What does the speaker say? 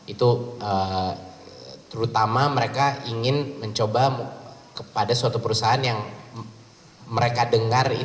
itu terutama mereka ingin mencoba kepada suatu perusahaan yang mereka dengar